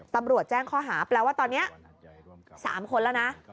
ตำรวจแจ้งข้อหาแปลว่าตอนนี้๓คนแล้วนะ